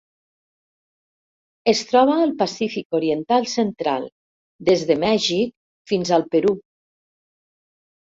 Es troba al Pacífic oriental central: des de Mèxic fins al Perú.